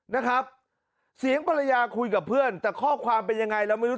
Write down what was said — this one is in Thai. นะครับเสียงภรรยาคุยกับเพื่อนแต่ข้อความเป็นยังไงเราไม่รู้